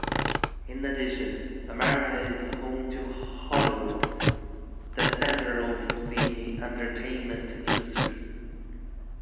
In addition, America is home to Hollywood, the center of the entertainment industry.